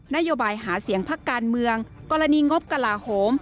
นโยบายหาเสียงพักการเมืองกรณีงบกระลาโหม